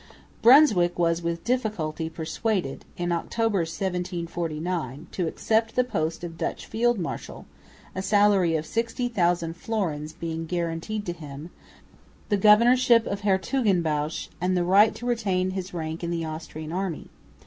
Brunswick was with difficulty persuaded, in October, 1749, to accept the post of Dutch field marshal, a salary of 60,000 fl. being guaranteed to him, the governorship of Hertogenbosch, and the right to retain his rank in the Austrian army.